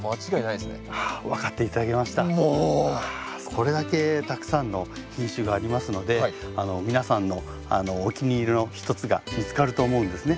これだけたくさんの品種がありますので皆さんのお気に入りの一つが見つかると思うんですね。